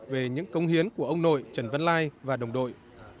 về những công hiến của ông nội trần văn lai và đồng đội